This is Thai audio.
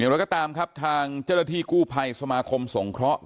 แล้วก็ตามครับทางเจรฐีกู้ภัยสมาคมสงเคราะห์